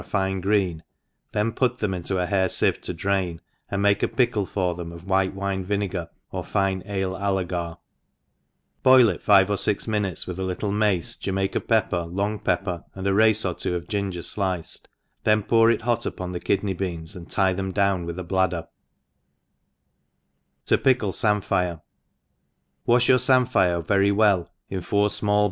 a fine green, then put them into a hair fieve to drain, and make a pickle for them of white wine vinegar^ or fine ale allegar, boil it five or fix minutes, with a little mace, Jamaica pepper, long pepper, and a race or two of gin ;er iliced, then pour it hot upon the kidney leans, and tie them down with a bladder* To pickle Samphire* WASH your famphire very well in four fmal!